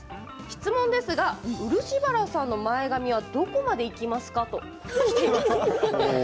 質問ですが、漆原さんの前髪はどこまでいきますか？